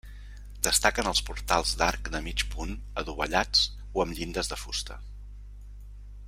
Destaquen els portals d'arc de mig punt adovellats o amb llindes de fusta.